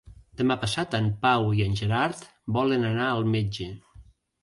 Demà passat en Pau i en Gerard volen anar al metge.